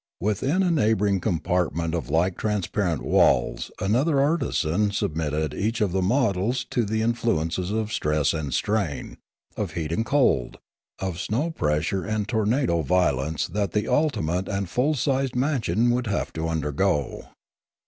Within a neighbouring compartment of like transparent walls another artisan submitted each of the models to the in fluences of stress and strain, of heat and cold, of snow pressure and tornado violence that the ultimate and full sized mansion would have to undergo.